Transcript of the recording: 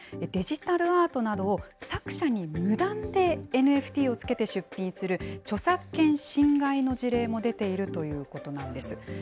デジタルアートなどを、作者に無断でＮＦＴをつけて出品する、著作権侵害の事例も出ているということなんです。